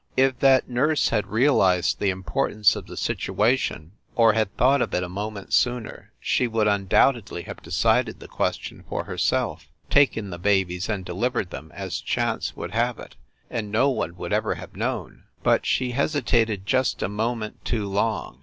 If that nurse had realized the importance of the situation, or had thought of it a moment sooner, she would undoubtedly have decided the question for herself, taken the babies and delivered them as chance would have it, and no one would ever have known. But she hesitated just a moment too long.